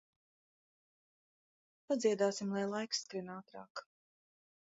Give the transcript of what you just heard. Padziedāsim, lai laiks skrien ātrāk.